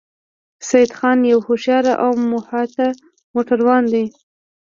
سیدخان یو هوښیار او محتاط موټروان دی